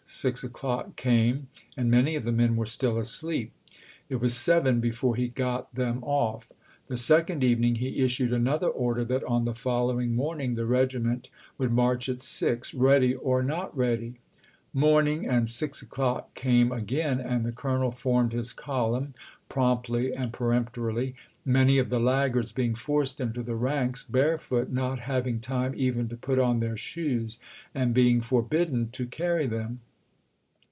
Six o'clock came, and many of the men were still asleep. It was seven be fore he got them off. The second evening he issued another order that on the following morning the regiment would march at six, ready or not ready. Morning and six o'clock came again, and the colonel 296 ABKAHAM LINCOLN Chap. XVI. formed his column, promptly and peremptorily, many of the laggards being forced into the ranks barefoot, not having time even to put on their shoes, and being forbidden to carry them.